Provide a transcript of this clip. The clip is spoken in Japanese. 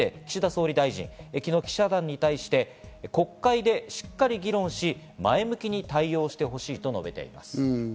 岸田総理大臣は昨日、記者団に対して国会でしっかり議論し、前向きに対応してほしいと述べています。